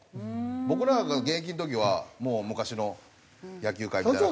僕らが現役の時はもう昔の野球界みたいな感じ。